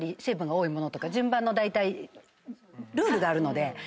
成分が多い物とか順番のだいたいルールがあるので。